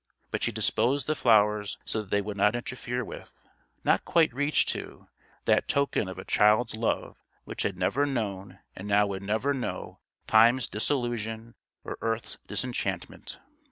But she disposed the flowers so that they would not interfere with not quite reach to that token of a child's love which had never known and now would never know time's disillusion or earth's disenchantment.